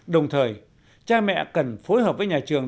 đồng thời cha mẹ cần phối hợp với nhà trường